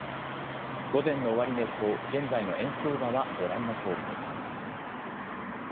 午前の終値と現在の円相場はご覧のとおりです。